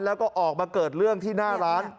แล้วก็ออกมาเกิดเรื่องที่หน้าร้าน